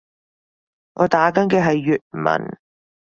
我打緊嘅係粵文